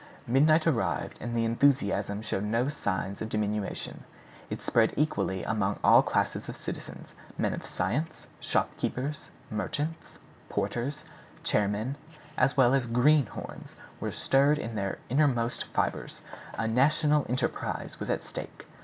Midnight arrived, and the enthusiasm showed no signs of diminution. It spread equally among all classes of citizens—men of science, shopkeepers, merchants, porters, chair men, as well as "greenhorns," were stirred in their innermost fibres. A national enterprise was at stake.